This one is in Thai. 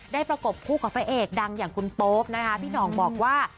ประกบคู่กับพระเอกดังอย่างคุณโป๊ปนะคะพี่หน่องบอกว่า